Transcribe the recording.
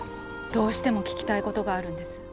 どうしても聞きたいことがあるんです。